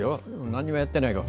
何もやってないから。